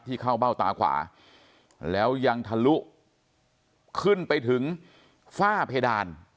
เข้าเบ้าตาขวาแล้วยังทะลุขึ้นไปถึงฝ้าเพดาน